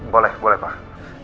boleh boleh pak